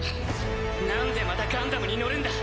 なんでまたガンダムに乗るんだ？